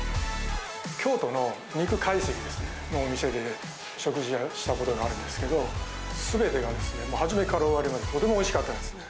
京都の肉懐石のお店で食事したことがあるんですけど、すべてがですね、初めから終わりまで、とてもおいしかったですね。